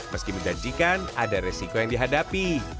meski menjanjikan ada resiko yang dihadapi